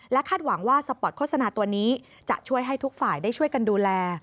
คาดหวังว่าสปอร์ตโฆษณาตัวนี้จะช่วยให้ทุกฝ่ายได้ช่วยกันดูแล